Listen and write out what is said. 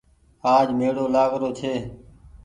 آج ميڙو لآگ رو ڇي۔